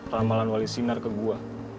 ramalan wali sinar ke gua